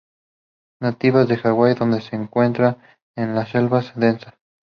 Nativas de Hawaii donde se encuentra en las selvas densas.